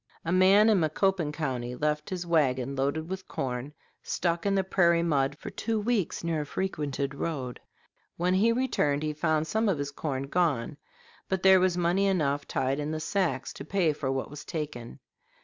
A man in Macoupin County left his wagon, loaded with corn, stuck in the prairie mud for two weeks near a frequented road. When he returned he found some of his corn gone, but there was money enough tied in the sacks to pay for what was taken.